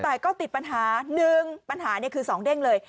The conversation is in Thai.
แต่ก็ติดปัญหา๑ปัญหานี่คือ๒เด้งเลย